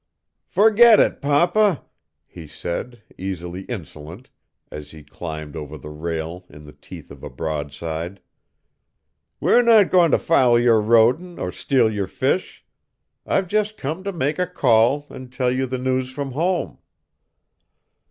"Forget it, papa," he said, easily insolent, as he climbed over the rail in the teeth of a broadside. "We're not goin' to foul your rodin' or steal your fish. I've just come to make a call and tell you the news from home."